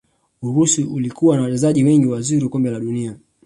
urusi ilikuwa na wachezaji wengi wazuri wa kombe la dunia